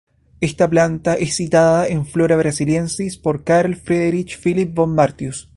Esta planta es citada en Flora Brasiliensis por Carl Friedrich Philipp von Martius.